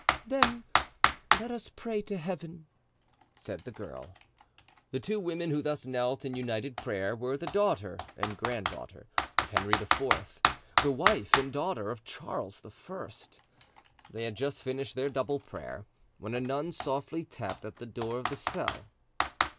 "Then let us pray to Heaven," said the girl. The two women who thus knelt in united prayer were the daughter and grand daughter of Henry IV., the wife and daughter of Charles I. They had just finished their double prayer, when a nun softly tapped at the door of the cell.